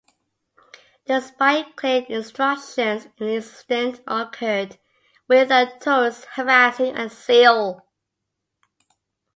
Despite clear instructions, an incident occurred with a tourist harassing a seal.